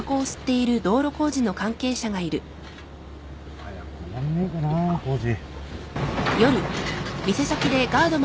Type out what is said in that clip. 早く終わんねぇかな工事。